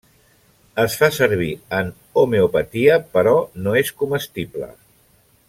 Es fa servir en homeopatia, però no és comestible.